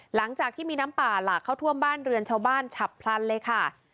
หลังจากที่มีน้ำป่าหลากเข้าท่วมบ้านเรือนชาวบ้านฉับพลันเลยค่ะ